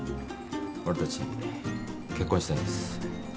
俺たち結婚したいんです。